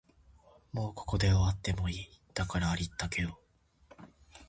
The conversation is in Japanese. もうここで終わってもいい、だからありったけを